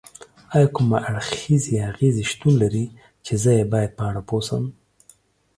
ایا کوم اړخیزې اغیزې شتون لري چې زه یې باید په اړه پوه شم؟